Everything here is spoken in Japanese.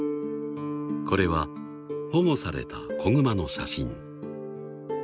［これは保護された子熊の写真］